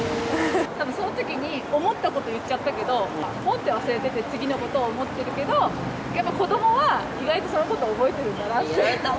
たぶんそのときに思ったこと言っちゃったけど、ぽんって忘れてて、次のこと思ってるけど、やっぱ子どもは意外とそのことを覚えてるんだなって。